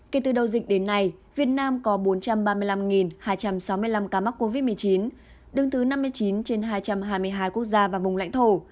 kể từ đầu dịch đến nay việt nam có bốn trăm ba mươi năm hai trăm sáu mươi năm ca mắc covid một mươi chín đương thứ năm mươi chín trên hai trăm hai mươi hai quốc gia và vùng lãnh thổ